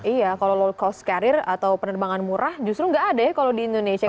iya kalau low cost carrier atau penerbangan murah justru nggak ada ya kalau di indonesia